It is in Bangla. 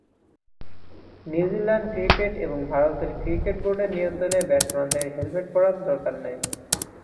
নিউজিল্যান্ড ক্রিকেট এবং ভারতের ক্রিকেট বোর্ডের নিয়ন্ত্রণে ব্যাটসম্যানদের হেলমেট পরার দরকার নেই।